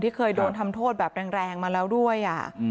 ที่เคยโดนทำโทษแรงมาแล้วด้วย